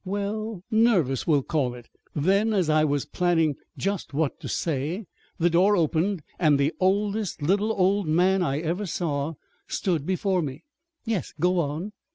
"Well, 'nervous,' we'll call it. Then, as I was planning just what to say, the door opened and the oldest little old man I ever saw stood before me." "Yes, go on!"